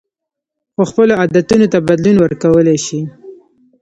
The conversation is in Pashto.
خو خپلو عادتونو ته بدلون ورکولی شئ.